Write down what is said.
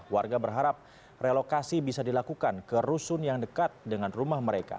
warga berharap relokasi bisa dilakukan ke rusun yang dekat dengan rumah mereka